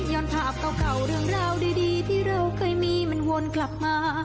ภาพเก่าเรื่องราวดีที่เราเคยมีมันวนกลับมา